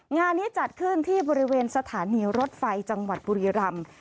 งานนี้จัดขึ้นที่บริเวณสถานีรถไฟจังหวัดบุรีรำ